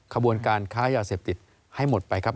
ขบวนการค้ายาเสพติดให้หมดไปครับ